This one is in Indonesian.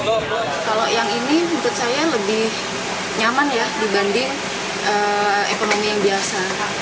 kalau yang ini menurut saya lebih nyaman ya dibanding ekonomi yang biasa